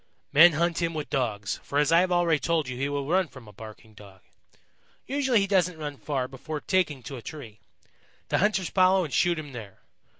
"Men hunt him with Dogs, for as I have already told you he will run from a barking Dog. Usually he doesn't run far before taking to a tree. The hunters follow and shoot him there.